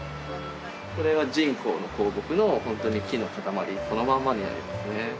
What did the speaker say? これは沈香の香木のホントに木の塊そのまんまになりますね。